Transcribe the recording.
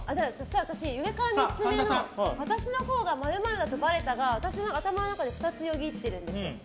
上から３つ目の私のほうが○○だとばれたが私の頭の中で２つよぎっているんです。